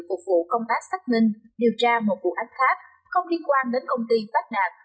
phục vụ công tác xác minh điều tra một vụ án khác không liên quan đến công ty phát đạt